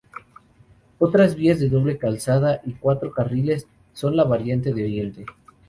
Otras vías de doble calzada y cuatro carriles son la Variante de Oriente.